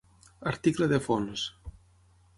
Article de fons.